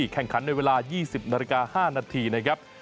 แข่งขันในเวลา๒๐นาฬิกา๕นาทีนะครับ